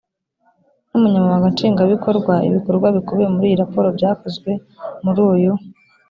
n ubunyamabanga nshingwabikorwa ibikorwa bikubiye muri iyi raporo byakozwe muri uyu